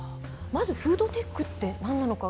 まずフードテックってなんなのか